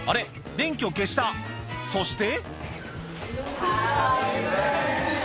電気を消したそして